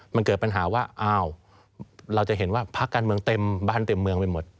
มันเกิดปัญหาว่าอ้าวเราจะเห็นว่าพักการเมืองเต็มบ้านเต็มเมืองไปหมด